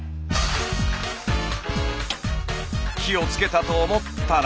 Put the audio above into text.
火をつけたと思ったら。